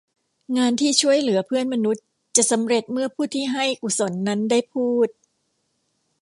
งานที่ช่วยเหลือเพื่อนมนุษย์จะสำเร็จเมื่อผู้ที่ให้กุศลนั้นได้พูด